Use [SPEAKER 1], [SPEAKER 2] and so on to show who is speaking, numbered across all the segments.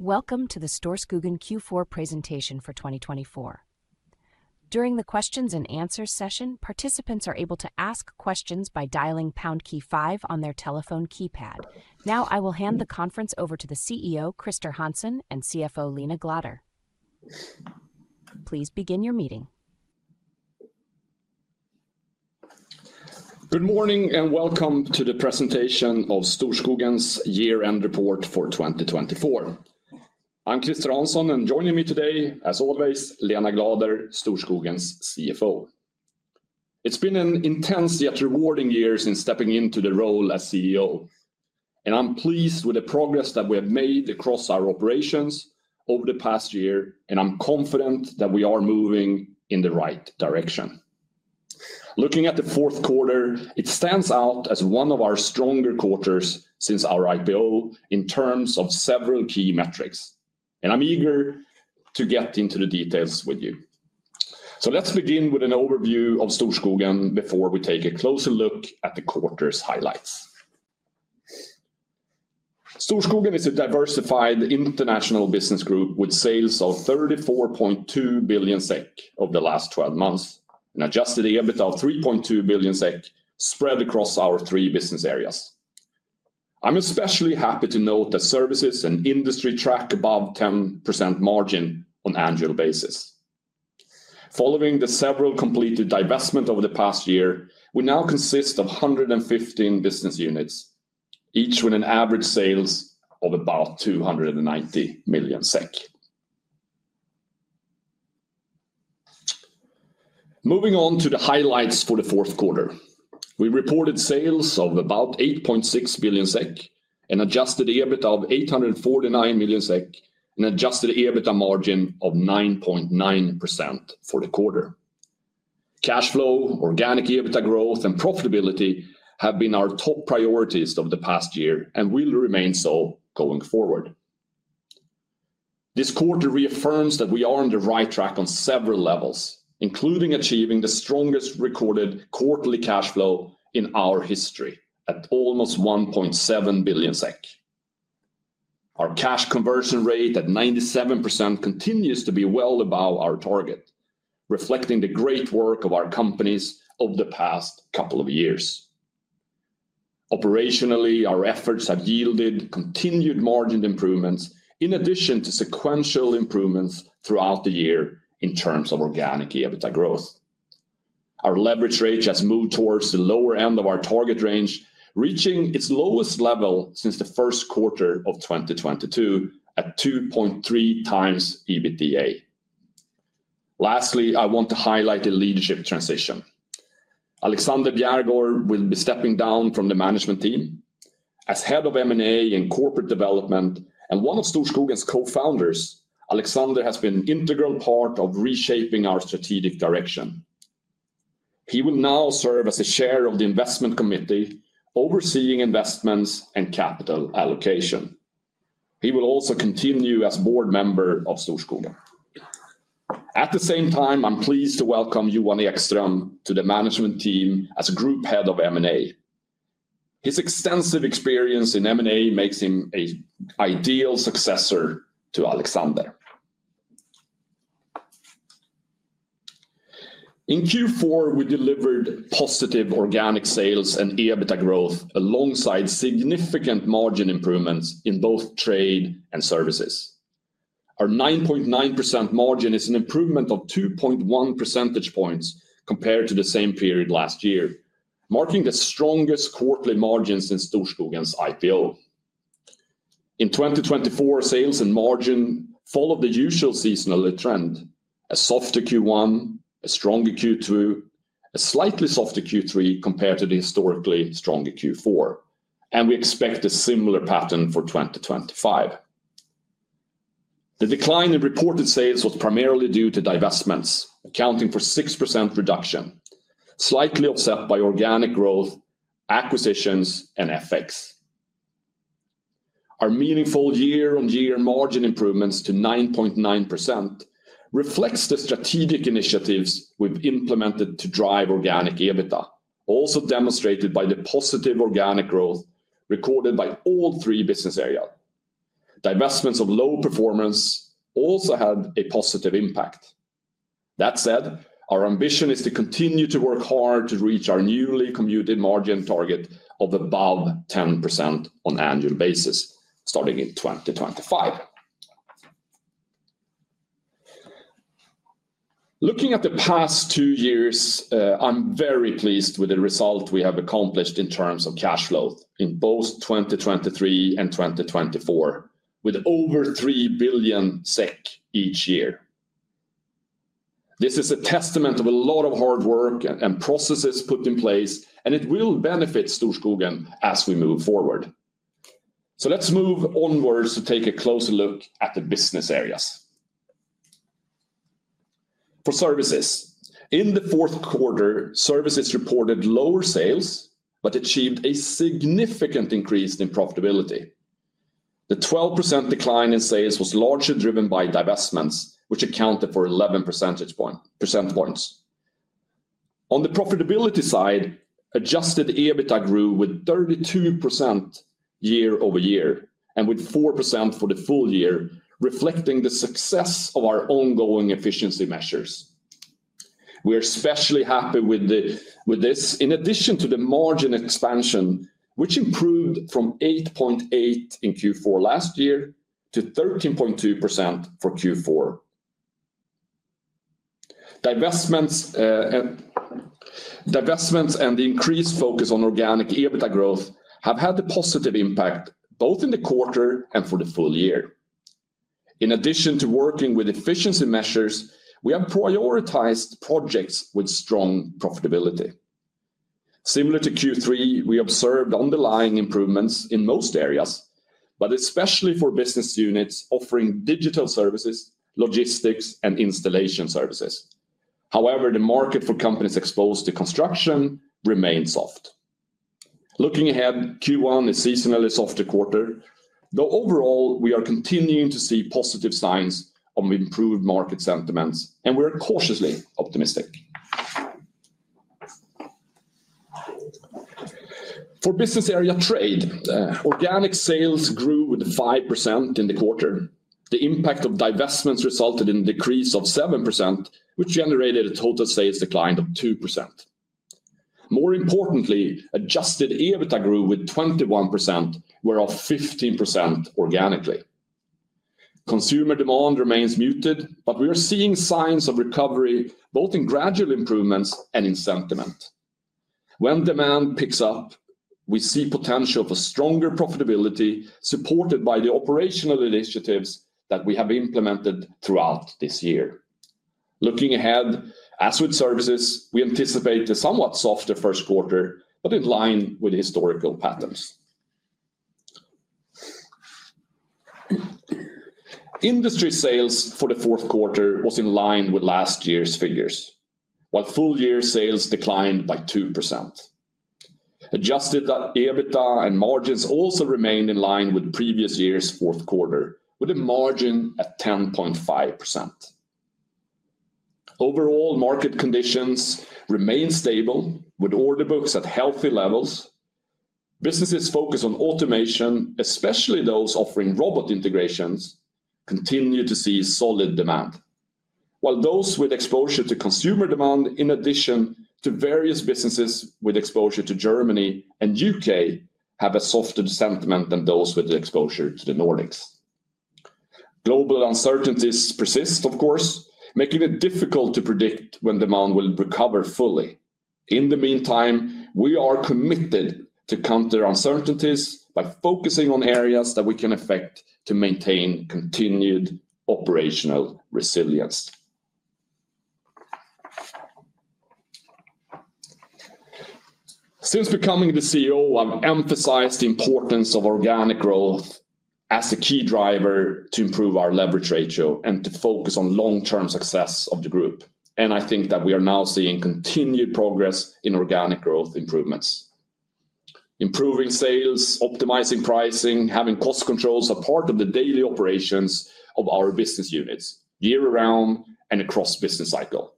[SPEAKER 1] Welcome to the Storskogen Q4 presentation for 2024. During the questions and answers session, participants are able to ask questions by dialing key 5 on their telephone keypad. Now I will hand the conference over to the CEO Christer Hansson and CFO Lena Glader. Please begin your meeting.
[SPEAKER 2] Good morning and welcome to the presentation of Storskogen's year-end report for 2024. I'm Christer Hansson and joining me today, as always, Lena Glader, Storskogen's CFO. It's been an intense yet rewarding year in stepping into the role as CEO and I'm pleased with the progress that we have made across our operations over the past year and I'm confident that we are moving in the right direction looking at the fourth quarter. It stands out as one of our stronger quarters, so since our IPO in terms of several key metrics and I'm eager to get into the details with you, so let's begin with an overview of Storskogen before we take a closer look at the quarter's highlights. Storskogen is a diversified international business group with sales of 34.2 billion SEK over the last 12 months, an adjusted EBITDA of 3.2 billion SEK spread across our three business areas. I'm especially happy to note that Services and Industry track above 10% margin on an annual basis. Following the several completed divestments over the past year. We now consist of 115 business units each with average sales of about 290 million SEK. Moving on to the highlights for the fourth quarter, we reported sales of about 8.6 billion SEK, an adjusted EBITDA of 849 million SEK, an adjusted EBITDA margin of 9.9% for the quarter. Cash flow, organic EBITDA growth and profitability have been our top priorities of the past year and will remain so going forward. This quarter reaffirms that we are on the right track on several levels, including achieving the strongest recorded quarterly cash flow in our history at almost 1.7 billion SEK. Our cash conversion rate at 97% continues to be well above our target, reflecting the great work of our companies over the past couple of years. Operationally, our efforts have yielded continued margin improvements in addition to sequential improvements throughout the year. In terms of organic EBITDA growth, our leverage rate has moved towards the lower end of our target range, reaching its lowest level since the first quarter of 2022 at 2.3 times EBITDA. Lastly, I want to highlight the leadership transition. Alexander Bjärgård will be stepping down from the management team as Head of M&A and Corporate Development and one of Storskogen's co-founders. Alexander has been an integral part of reshaping our strategic direction. He will now serve as Chair of the Investment Committee overseeing investments and capital allocation. He will also continue as board member of Storskogen. At the same time, I'm pleased to welcome Giovanni Ekström to the management team as Group Head of M&A. His extensive experience in M&A makes him an ideal successor to Alexander. In Q4 we delivered positive organic sales and EBITDA growth alongside significant margin improvements in both trade and services. Our 9.9% margin is an improvement of 2.1 percentage points compared to the same period last year, marking the strongest quarterly margin since Storskogen's IPO in 2024. Sales and margin followed the usual seasonal trend. A softer Q1, a stronger Q2, a slightly softer Q3 compared to the historically stronger Q4, and we expect a similar pattern for 2025. The decline in reported sales was primarily due to divestments accounting for 6% reduction, slightly offset by organic growth, acquisitions and FX. Our meaningful year on year margin improvements to 9.9% reflects the strategic initiatives we've implemented to drive organic EBITDA, also demonstrated by the positive organic growth recorded by all three business areas. Divestments of low performance also had a positive impact. That said, our ambition is to continue to work hard to reach our newly committed margin target of above 10% on annual basis starting in 2020. Looking at the past two years, I'm very pleased with the result we have accomplished in terms of cash flow in both 2023 and 2024 with over 3 billion SEK each year. This is a testament of a lot of hard work and processes put in place and it will benefit Storskogen as we move forward, so let's move onwards to take a closer look at the business areas. For Services. In the fourth quarter, Services reported lower sales but achieved a significant increase in profitability. The 12% decline in sales was largely driven by divestments which accounted for 11 percentage points. On the profitability side, Adjusted EBITDA grew with 32% year over year and with 4% for the full year, reflecting the success of our ongoing efficiency measures. We are especially happy with this in addition to the margin expansion which improved from 8.8% in Q4 last year to 13.2% for Q4. Divestments and the increased focus on organic EBITDA growth have had a positive impact both in the quarter and for the full year. In addition to working with efficiency measures, we have prioritized projects with strong profitability. Similar to Q3, we observed underlying improvements in most areas but especially for business units offering digital services, logistics and installation services. However, the market for companies exposed to construction remain soft. Looking ahead, Q1 is seasonally softer quarter though. Overall we are continuing to see positive signs of improved market sentiments and we are cautiously optimistic. For business area Trade. Organic sales grew with 5% in the quarter. The impact of divestments resulted in decrease of 7% which generated a total sales decline of 2%. More importantly, Adjusted EBITDA grew with 21%, up 15% organically. Consumer demand remains muted, but we are seeing signs of recovery both in gradual improvements and in sentiment. When demand picks up, we see potential for stronger profitability supported by the operational initiatives that we have implemented throughout this year. Looking ahead, as with Services, we anticipate a somewhat softer first quarter but in line with historical patterns. Industry sales for the fourth quarter was in line with last year's figures, while full year sales declined by 2%. Adjusted EBITDA and margins also remained in line with previous year's fourth quarter with a margin at 10.5%. Overall, market conditions remain stable with order books at healthy levels. Businesses focused on automation, especially those offering robot integrations, continue to see solid demand while those with exposure to consumer demand, in addition to various businesses with exposure to Germany and UK, have a softer sentiment than those with exposure to the Nordics. Global uncertainties persist of course, making it difficult to predict when demand will recover fully. In the meantime, we are committed to counter uncertainties by focusing on areas that we can affect to maintain continued operational resilience. Since becoming the CEO, I've emphasized the importance of organic growth as a key driver to improve our leverage ratio and to focus on long term success of the group, and I think that we are now seeing continued progress in organic growth improvements. Improving sales, optimizing pricing, having cost controls are part of the daily operations of our business units year round and across business cycle.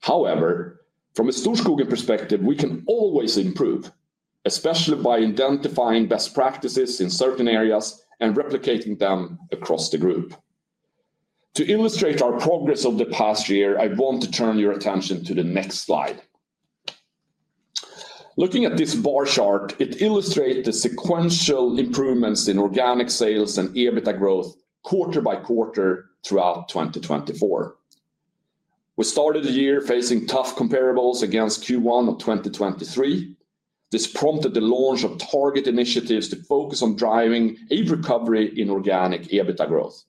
[SPEAKER 2] However, from a Storskogen perspective, we can always improve, especially by identifying best practices in certain areas and replicating them across the group. To illustrate our progress over the past year, I want to turn your attention to the next slide. Looking at this bar chart, it illustrates the sequential improvements in organic sales and EBITDA growth quarter by quarter throughout 2024. We started the year facing tough comparables against Q1 of 2023. This prompted the launch of target initiatives to focus on driving a recovery in organic EBITDA growth,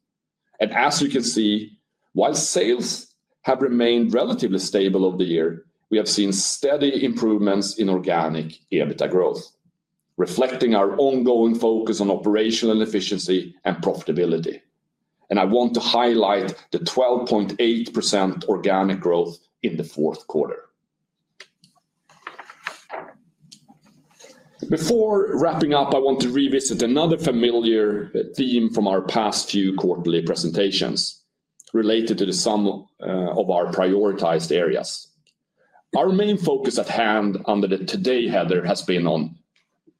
[SPEAKER 2] and as you can see, while sales have remained relatively stable over the year, we have seen steady improvements in organic EBITDA growth, reflecting our ongoing focus on operational efficiency and profitability, and I want to highlight the 12.8% organic growth in the fourth quarter. Before wrapping up, I want to revisit another familiar theme from our past few quarterly presentations related to the sum of our prioritized areas. Our main focus at hand under the Today header has been on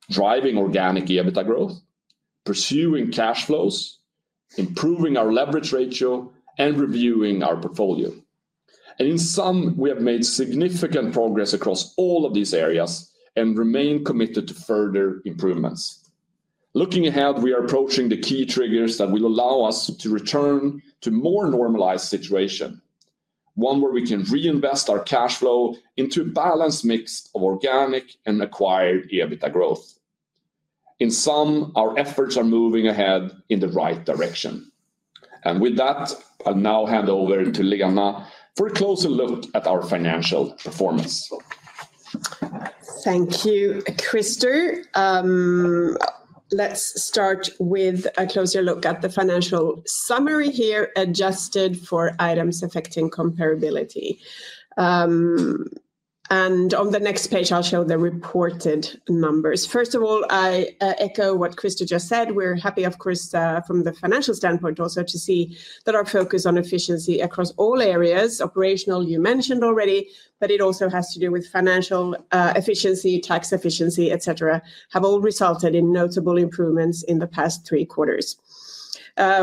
[SPEAKER 2] driving organic EBITDA growth, pursuing cash flows, improving our leverage ratio, and reviewing our portfolio, and in sum, we have made significant progress across all of these areas and remain committed to further improvements. Looking ahead, we are approaching the key triggers that will allow us to return to more normalized situations, one where we can reinvest our cash flow into a balanced mix of organic and acquired EBITDA growth. In sum, our efforts are moving ahead in the right direction, and with that, I'll now hand over to Lena for a closer look at our financial performance.
[SPEAKER 3] Thank you, Christer. Let's start with a closer look at the financial summary here, adjusted for items affecting comparability. On the next page I'll show the reported numbers. First of all, I echo what Christer just said. We're happy of course, from the financial standpoint also to see that our focus on efficiency across all areas operational you mentioned already, but it also has to do with financial efficiency, tax efficiency, et cetera have all resulted in notable improvements in the past three quarters.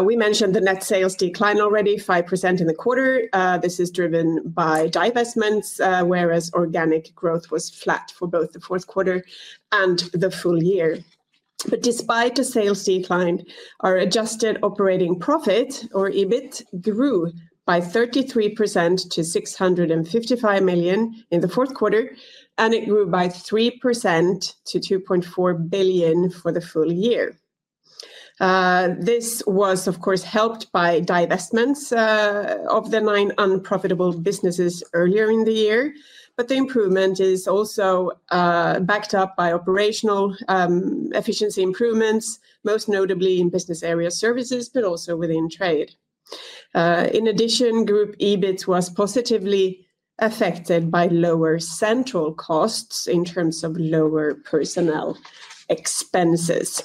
[SPEAKER 3] We mentioned the net sales decline, already 5% in the quarter. This is driven by divestments, whereas organic growth was flat for both the fourth quarter and the full year. Despite a sales decline, our adjusted operating profit, or EBIT, grew by 33% to 655 million in the fourth quarter, and it grew by 3% to 2.4 billion for the full year. This was, of course, helped by divestments of the nine unprofitable businesses earlier in the year. But the improvement is also backed up by operational efficiency improvements, most notably in business area services, but also within trade. In addition, Group EBIT was positively affected by lower central costs in terms of lower personnel expenses.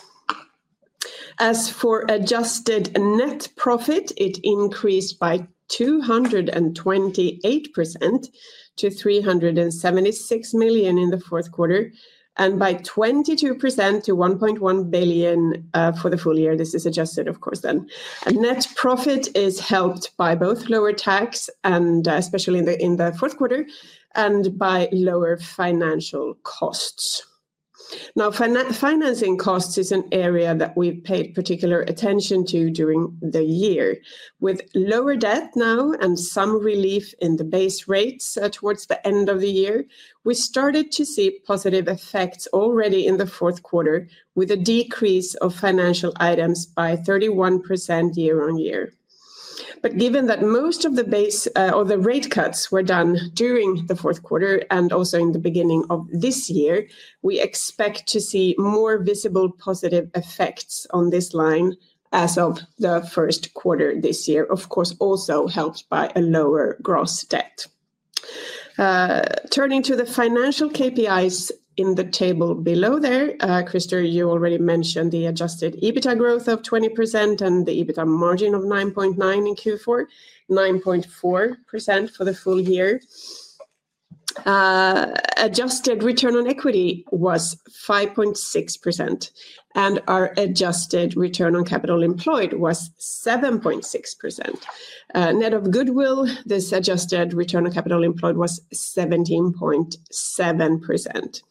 [SPEAKER 3] As for adjusted net profit, it increased by 228% to 376 million in the fourth quarter and by 22% to 1.1 billion for the full year. This is adjusted, of course, the net profit is helped by both lower tax and especially in the fourth quarter, and by lower financial costs. Now, financing costs is an area that we paid particular attention to during the year with lower debt now and some relief in the base rates towards the end of the year. We started to see positive effects already in the fourth quarter with a decrease of financial items by 31% year on year. But given that most of the base or the rate cuts were done during the fourth quarter and also in the beginning of this year, we expect to see more visible positive effects on this line as of the first quarter. This year of course also helped by a lower gross debt. Turning to the financial KPIs in the table below, there, Christer, you already mentioned the Adjusted EBITDA growth of 20% and the EBITDA margin of 9.9% in Q4, 9.4% for the full year. Adjusted return on equity was 5.6% and our adjusted return on capital employed was 7.6% net of goodwill. This adjusted return on capital employed was 17.7%.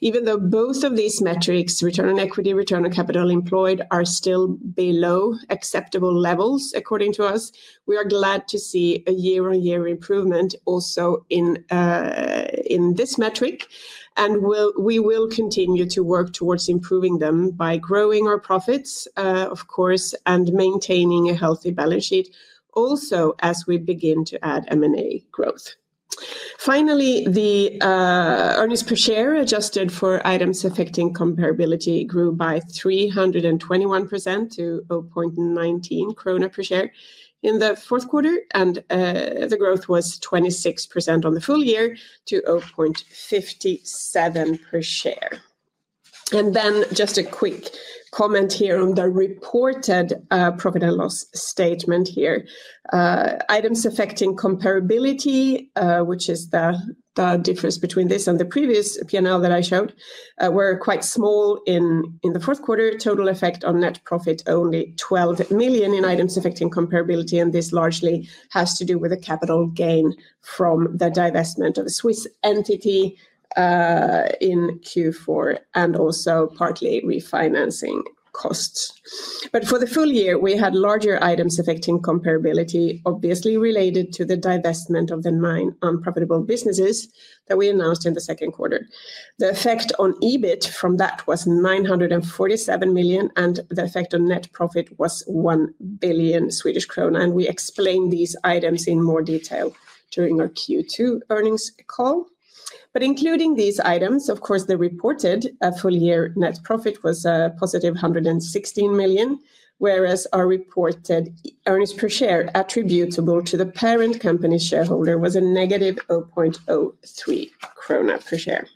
[SPEAKER 3] Even though both of these metrics, return on equity, return on capital employed, are still below acceptable levels according to us. We are glad to see a year-on-year improvement also in this metric and we will continue to work towards improving them by growing our profits of course and maintaining a healthy balance sheet also as we begin to add M and A growth. Finally, the earnings per share adjusted for items affecting comparability grew by 321% to 0.19 krona per share in the fourth quarter and the growth was 26% on the full year to 0.57 per share. Then just a quick comment here on the reported profit and loss statement here. Items affecting comparability, which is the difference between this and the previous P and L that I showed, were quite small in the fourth quarter. Total effect on net profit only 12 million in items affecting comparability and this largely has to do with the capital gain from the divestment of a Swiss entity in Q4 and also partly refinancing costs. But for the full year we had larger items affecting comparability obviously related to the divestment of the nine unprofitable businesses that we announced in the second quarter. The effect on EBIT from that was 947 million and the effect on net profit was 1 billion Swedish krona and we explained these items in more detail during our Q2 earnings call. Including these items of course the reported full year net profit was positive 116 million, whereas our reported earnings per share attributable to the parent company shareholder was a negative 0.03 krona per share.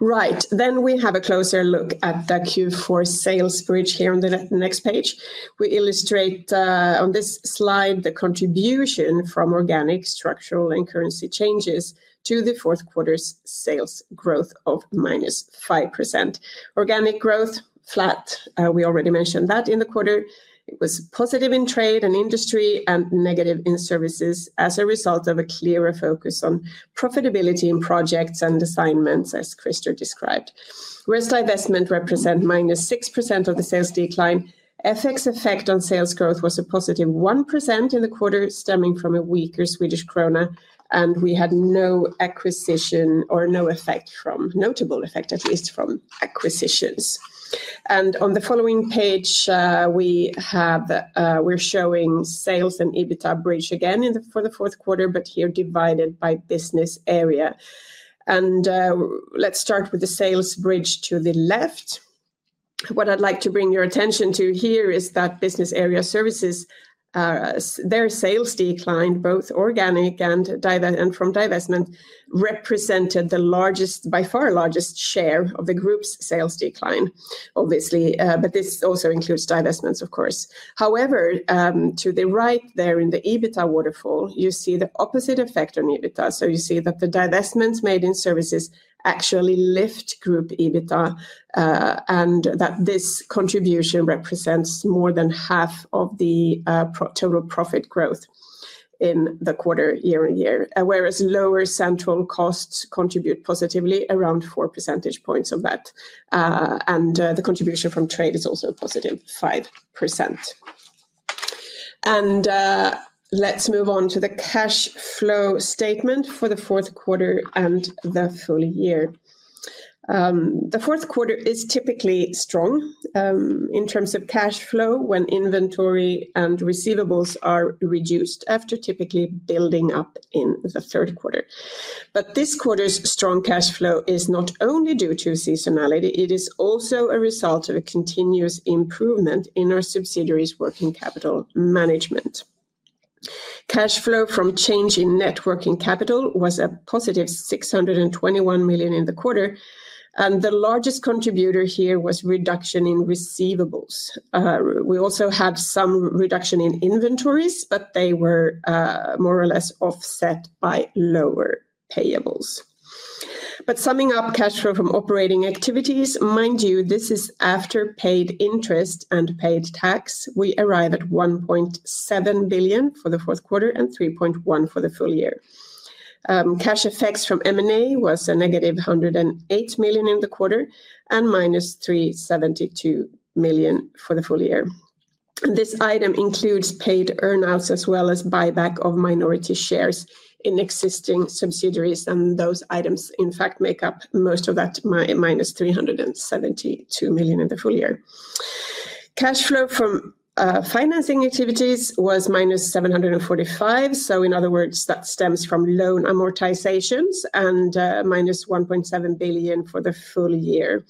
[SPEAKER 3] Right, then we have a closer look at the Q4 sales bridge here on the next page. We illustrate on this slide the contribution from organic, structural and currency changes to the fourth quarter's sales growth of -5%. Organic growth flat. We already mentioned that in the quarter it was positive in trade and industry and negative in services as a result of a clearer focus on profitability in projects and assignments. As Christer described, risk divestment represent -6% of the sales decline. FX effect on sales growth was a positive +1% in the quarter stemming from a weaker Swedish krona. We had no acquisition or no effect from notable effect, at least from acquisitions. On the following page we have. We're showing sales and EBITDA bridge again for the fourth quarter, but here divided by business area. Let's start with the sales bridge to the left. What I'd like to bring your attention to here is that business area Services their sales decline, both organic and from divestment, represented the largest, by far largest share of the group's sales decline. Obviously, but this also includes divestments, of course. However, to the right there in the EBITDA waterfall, you see the opposite effect on EBITDA, so you see that the divestments made in Services actually lift group EBITDA and that this contribution represents more than half of the total profit growth in the quarter year on year. Whereas lower central costs contribute positively around four percentage points of that. And the contribution from trade is also positive 5%. Let's move on to the cash flow statement for the fourth quarter and the full year. The fourth quarter is typically strong in terms of cash flow when inventory and receivables are reduced after typically building up in the third quarter. This quarter's strong cash flow is not only due to seasonality. It is also a result of a continuous improvement in our subsidiary's working capital management. Cash flow from change in net working capital was a positive 621 million in the quarter. And the largest contributor here was reduction in receivables. We also had some reduction in inventories, but they were more or less offset by lower payables. But summing up cash flow from operating activities, mind you, this is after paid interest and paid tax. We arrive at 1.7 billion for the fourth quarter and 3.1 billion for the full year. Cash effects from M&A was a negative 108 million in the quarter and minus 372 million for the full year. This item includes paid earnouts as well as buyback of minority shares in existing subsidiaries. And those items in fact make up most of that minus 372 million in the full year. Cash flow from financing activities was -745 million. So in other words that stems from loan amortizations and minus 1.7 billion for the full year,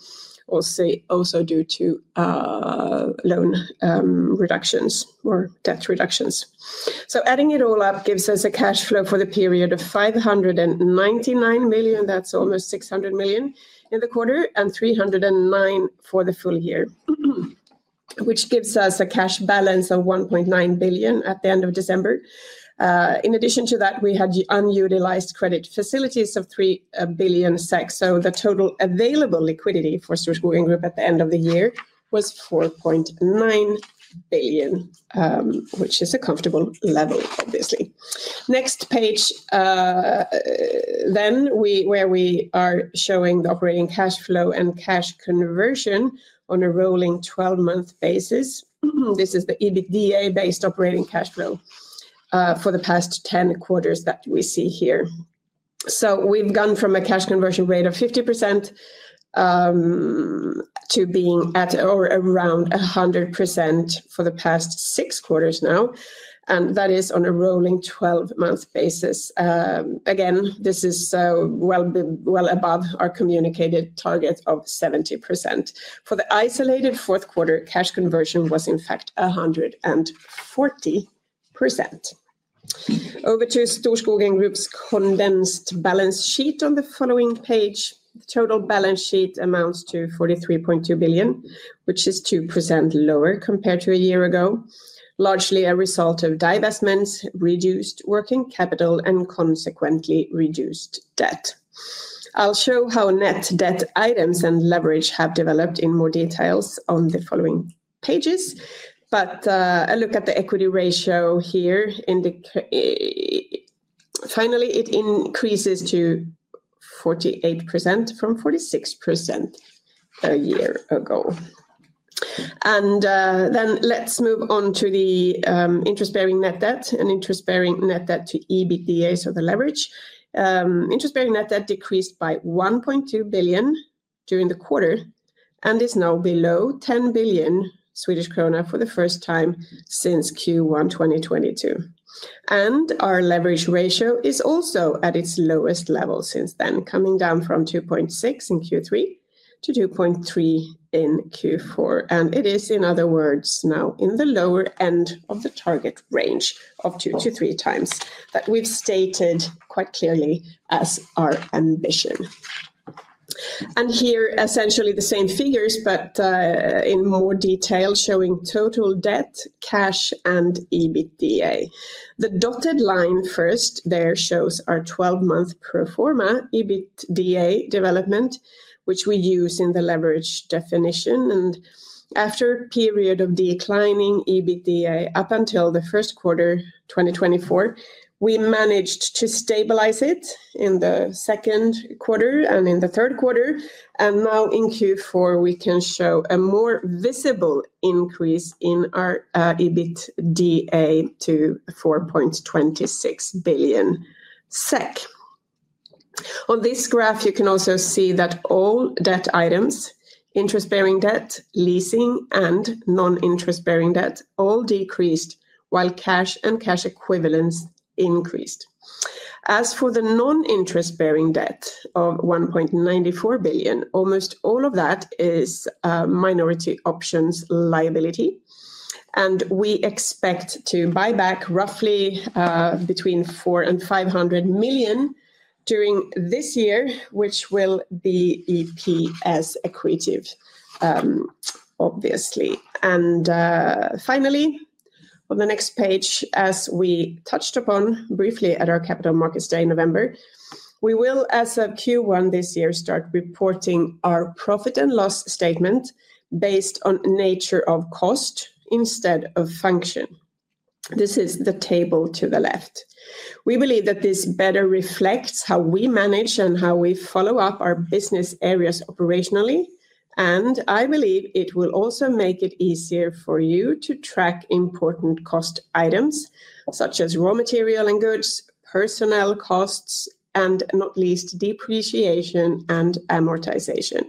[SPEAKER 3] also due to loan reductions or debt reductions. So adding it all up gives us a cash flow for the period of 599 million. That's almost 600 million in the quarter and 309 for the full year, which gives us a cash balance of 1.9 billion at the end of December. In addition to that we had the unutilized credit facilities of 3 billion SEK. So the total available liquidity for Storskogen Group at the end of the year was 4.9 billion, which is a comfortable level obviously. Next page. Where we are showing the operating cash flow and cash conversion on a rolling 12 month basis. This is the EBITDA based operating cash flow for the past 10 quarters that we see here. We've gone from a cash conversion rate of 50%. It's been at or around 100% for the past six quarters now and that is on a rolling 12-month basis. Again, this is well above our communicated target of 70% for the isolated fourth quarter. Cash conversion was in fact 140%. Over to Storskogen Group's condensed balance sheet on the following page the total balance sheet amounts to 43.2 billion, which is 2% lower compared to a year ago, largely a result of divestments, reduced working capital and consequently reduced debt. I'll show how net debt items and leverage have developed in more details on the following pages. But a look at the equity ratio here. Finally, it increases to 48% from 46% a year ago. Then let's move on to the interest-bearing net debt and interest-bearing net debt to EBITDA. The leverage, interest-bearing net debt, decreased by 1.2 billion during the quarter and is now below 10 billion Swedish krona for the first time since Q1 2022. Our leverage ratio is also at its lowest level since then, coming down from 2.6 in Q3 to 2.3 in Q4. It is, in other words, now in the lower end of the target range of two to three times that we've stated quite clearly as our ambition. And here essentially the same figures but in more detail showing total debt, cash and EBITDA. The dotted line first there shows our 12 month pro forma EBITDA development which we use in the leverage definition. And after period of declining EBITDA up until the first quarter 2024. We managed to stabilize it in the second quarter and in the third quarter. And now in Q4 we can show a more visible increase in our EBITDA to 4.26 billion SEK. On this graph you can also see that all debt items, interest bearing debt, leasing and non interest bearing debt all decreased while cash and cash equivalents increased. As for the non interest bearing debt of 1.94 billion, almost all of that is minority options liability and we expect to buy back roughly between four and 500 million during this year which will be EPS accretive. Obviously. And finally on the next page, as we touched upon briefly at our Capital Markets Day in November, we will as of Q1 this year start reporting our profit and loss statement based on nature of cost instead of function. This is the table to the left. We believe that this better reflects how we manage and how we follow up our business areas operationally. And I believe it will also make it easier for you to track important cost items such as raw material and goods, personnel costs and not least depreciation and amortization.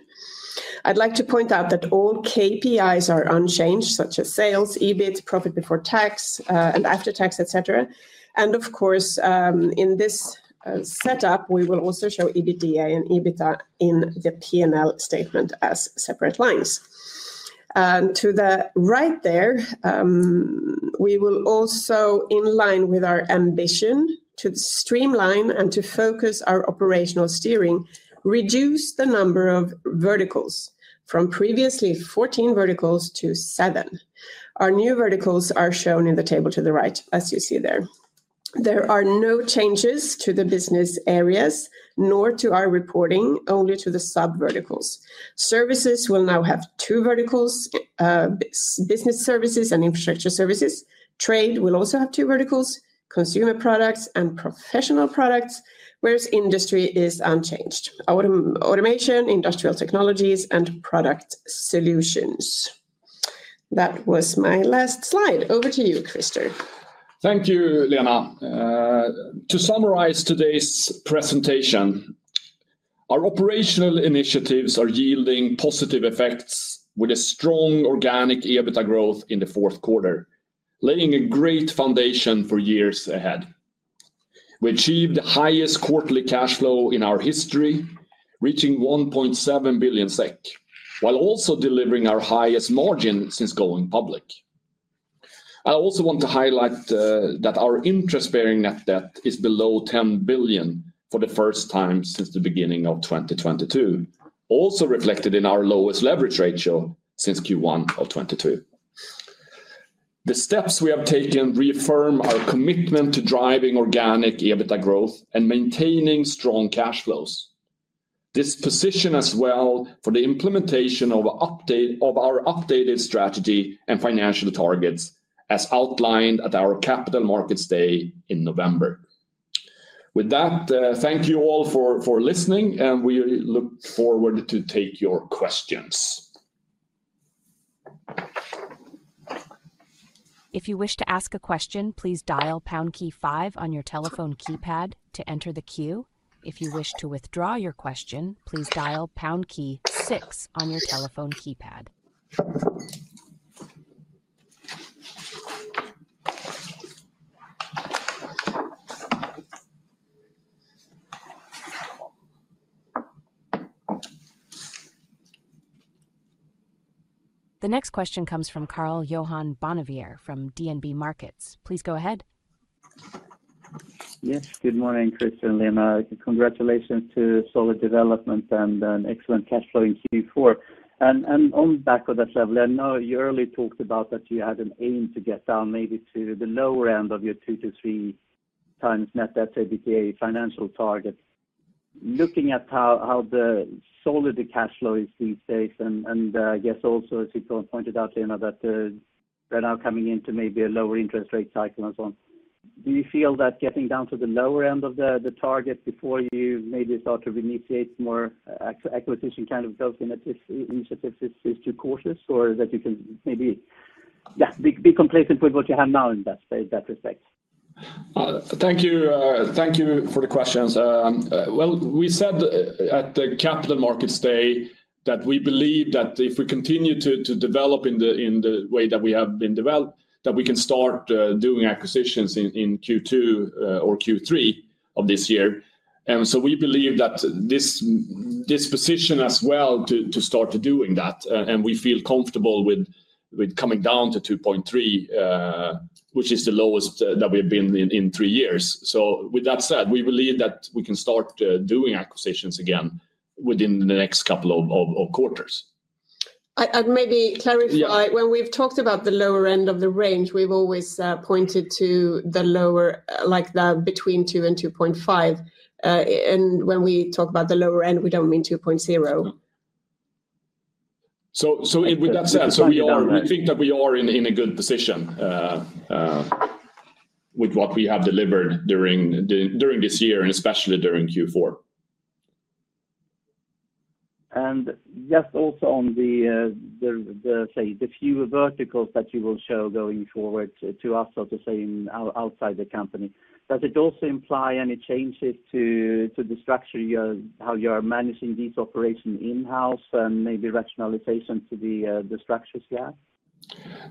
[SPEAKER 3] I'd like to point out that all KPIs are unchanged such as sales, EBIT, profit before tax and after tax, etc. And of course, in this setup we will also show EBITDA and EBITDA in the P and L statement as separate lines to the right. There we will also, in line with our ambition to streamline and to focus our operational steering, reduce the number of verticals from previously 14 verticals to seven. Our new verticals are shown in the table to the right. As you see there, there are no changes to the business areas nor to our reporting, only to the sub vertical. Services will now have two verticals, Business Services and Infrastructure Services. Trade will also have two verticals, Consumer Products and Professional Products, whereas industry is unchanged. Automation, Industrial Technologies and Product Solutions. That was my last slide. Over to you, Christer.
[SPEAKER 2] Thank you, Lena. To summarize today's presentation, our operational initiatives are yielding positive effects with a strong organic EBITDA growth in the fourth quarter laying a great foundation for years ahead. We achieved the highest quarterly cash flow in our history reaching 1.7 billion SEK while also delivering our highest margin since going public. I also want to highlight that our interest bearing net debt is below 10 billion for the first time since the beginning of 2022, also reflected in our lowest leverage ratio since Q1 of 2022. The steps we have taken reaffirm our commitment to driving organic EBITDA growth and maintaining strong cash flows. This position as well for the implementation of our updated strategy and financial targets as outlined at our Capital Markets Day in November. With that, thank you all for listening and we look forward to take your questions.
[SPEAKER 1] If you wish to ask a question, please dial pound key five on your telephone keypad to enter the queue. If you wish to withdraw your question, please dial key six on your telephone keypad. The next question comes from Karl-Johan Bonnevier from DNB Markets. Please go ahead.
[SPEAKER 4] Yes, good morning, Christer and Lena. Congratulations to solid development and an excellent cash flow in Q4, and on the back of that level, I know you earlier talked about that you had an aim to get down maybe to the lower end of your two to three times net debt EBITDA financial target. Looking at how solid the cash flow is these days and I guess also as you pointed out that we're now coming into maybe a lower interest rate cycle and so on. Do you feel that getting down to the lower end of the target before you maybe start to initiate more acquisition kind of initiatives is too cautious or that you can maybe be complacent with what you have now in that respect?
[SPEAKER 2] Thank you for the questions. We said at the Capital Markets Day that we believe that if we continue to develop in the way that we have been developed that we can start doing acquisitions in Q2 or Q3 of this year. So we believe that this position as well to start doing that. And we feel comfortable with coming down to 2.3, which is the lowest that we have been in three years. So with that said, we believe that we can start doing acquisitions again within the next couple of quarters.
[SPEAKER 3] Maybe clarify when we've talked about the lower end of the range, we've always pointed to the lower, like, the between 2 and 2.5, and when we talk about the lower end, we don't mean 2.0.
[SPEAKER 2] With that said, I think that we are in a good position. With what we have delivered during this year and especially during Q4.
[SPEAKER 4] Just also on the say the fewer verticals that you will show going forward to us, so to say outside the company, does it also imply any changes to the structure, how you are managing these operations in-house and maybe rationalization to the structures you have?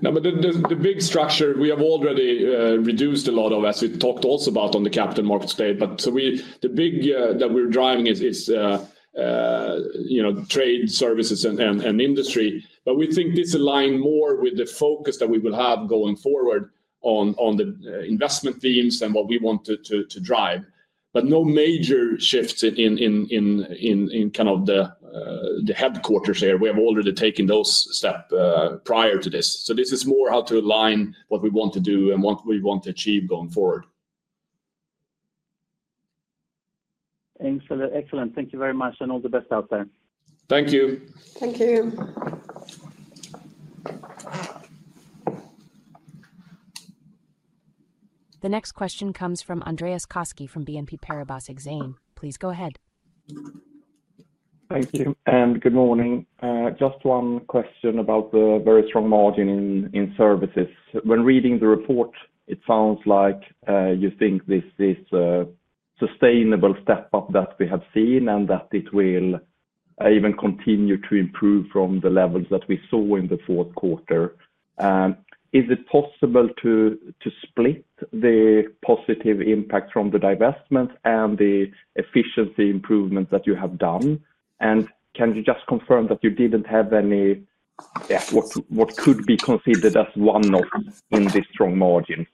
[SPEAKER 2] No, but the big structure we have already reduced a lot of, as we talked also about on the capital markets day. But so the big that we're driving. is Trade services and industry. But we think this aligns more with the focus that we will have going forward on the investment themes and what we want to drive. But no major shifts in kind of the headquarters here. We have already taken those steps prior to this. So this is more how to align what we want to do and what we want to achieve going forward.
[SPEAKER 4] Excellent. Thank you very much and all the best out there.
[SPEAKER 2] Thank you.
[SPEAKER 3] Thank you.
[SPEAKER 1] The next question comes from Andreas Koski from BNP Paribas Exane, please go ahead.
[SPEAKER 5] Thank you and good morning. Just one question about the very strong margin in services. When reading the report, it sounds like you think this is a sustainable step up that we have seen and that it will even continue to improve from the levels that we saw in the fourth quarter. Is it possible to split the positive impact from the divestment and the efficiency improvements that you have done? And can you just confirm that you didn't have any what could be considered as one off in this strong margin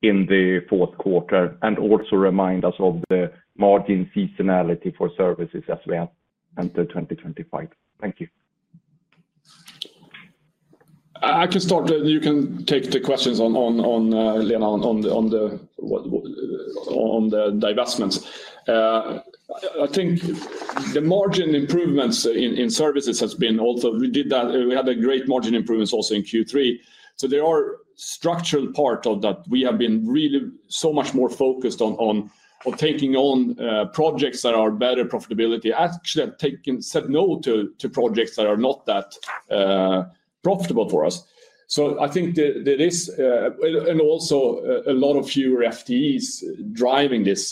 [SPEAKER 5] in the fourth quarter and also remind us of the margin seasonality for services as well until 2025? Thank you.
[SPEAKER 2] I can start. You can take the questions on Lena, on. The divestments. I think the margin improvements in services has been also. We did that. We had a great margin improvements also in Q3. So there are structural part of that. We have been really so much more focused on taking on projects that are better profitability actually said no to projects that are not that profitable for us. So I think there is and also a lot of fewer FTEs driving this.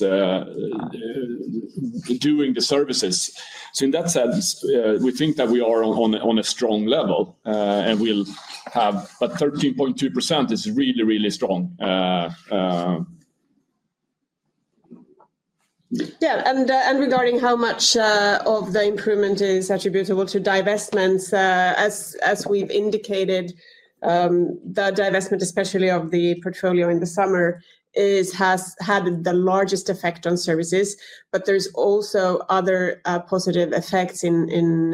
[SPEAKER 2] Doing the services. So in that sense we think that we are on a strong level and we'll have. But 13.2% is really, really strong.
[SPEAKER 3] Yeah. And regarding how much of the improvement is attributable to divestments, as we've indicated, the divestment, especially of the portfolio in the summer, has had the largest effect on services. But there's also other positive effects in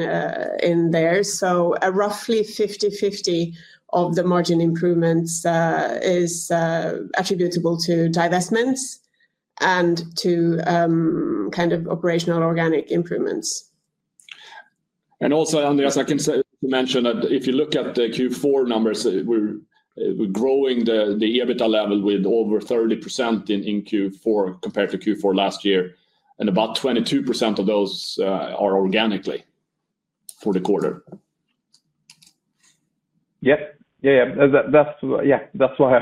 [SPEAKER 3] there. So roughly 50-50 of the margin improvements is attributable to divestments and to kind of operational organic improvements.
[SPEAKER 2] And also, Andreas, I can mention that if you look at the Q4 numbers, we're growing the EBITDA level with over 30% in Q4 compared to Q4 last year. And about 22% of those are organically for the quarter.
[SPEAKER 5] Yeah, yeah. That's why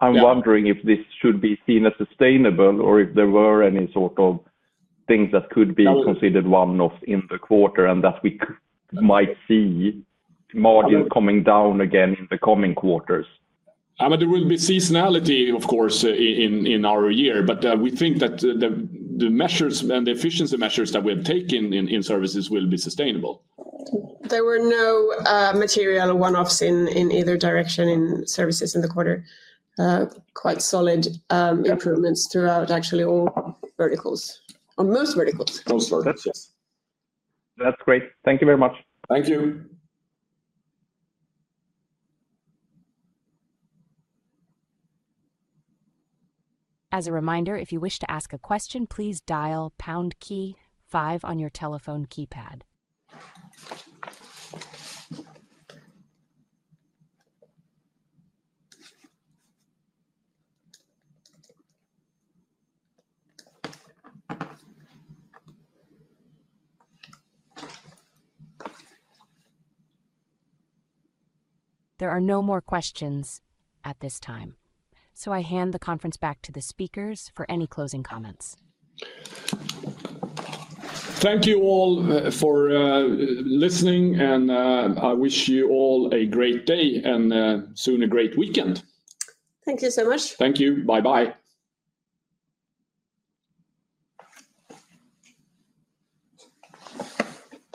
[SPEAKER 5] I'm wondering if this should be seen as sustainable or if there were any sort of things that could be considered one off in the quarter and that we might see margins coming down again in the coming quarters?
[SPEAKER 2] There will be seasonality, of course, in our year, but we think that the measures and the efficiency measures that we have taken in services will be sustainable.
[SPEAKER 3] There were no material one-offs in either direction in services in the quarter. Quite solid improvements throughout, actually. All verticals on most verticals.
[SPEAKER 5] That's great. Thank you very much.
[SPEAKER 2] Thank you.
[SPEAKER 1] As a reminder, if you wish to ask a question, please dial pound key five on your telephone keypad. There are no more questions at this time, so I hand the conference back to the speakers for any closing comments.
[SPEAKER 2] Thank you all for listening and I will wish you all a great day and soon a great weekend.
[SPEAKER 3] Thank you so much.
[SPEAKER 2] Thank you. Bye bye.